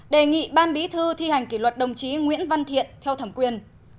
đề nghị ban bí thư thi hành kỷ luật đồng chí nguyễn văn thiện theo thẩm quyền